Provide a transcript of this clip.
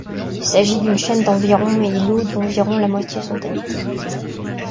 Il s'agit d'une chaîne d'environ et îlots dont environ la moitié sont habités.